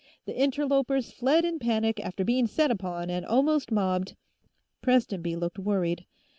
The interlopers fled in panic after being set upon and almost mobbed " Prestonby looked worried.